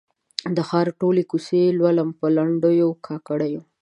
د ښار ټولي کوڅې لولم په لنډېو، کاکړیو